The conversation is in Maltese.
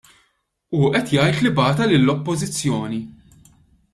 Hu qed jgħid li bagħatha lill-Oppożizzjoni.